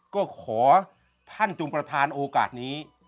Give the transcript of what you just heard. ก็ขอท่านจงประธานโอกาสนี้